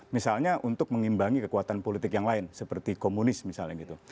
misalnya untuk mengimbangi kekuatan politik yang lain seperti komunis misalnya gitu